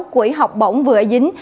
quỹ học bổng vừa ở dính